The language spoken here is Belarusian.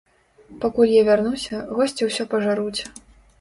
Пакуль я вярнуся, госці ўсё пажаруць.